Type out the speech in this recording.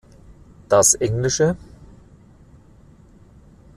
Das engl.